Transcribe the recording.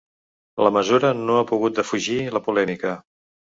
La mesura no ha pogut defugir la polèmica.